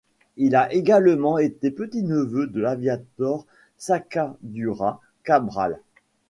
Il a également été petit-neveu de l'Aviator Sacadura Cabral.